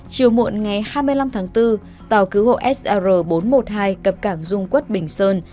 chiều muộn ngày hai mươi năm tháng bốn tàu cứu hộ sr bốn trăm một mươi hai cập cảng dung quốc bình sơn